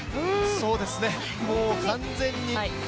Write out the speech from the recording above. そうですね、もう完全に。